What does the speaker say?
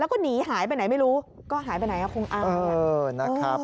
แล้วก็หนีหายไปไหนไม่รู้ก็หายไปไหนคงอ้างนะครับ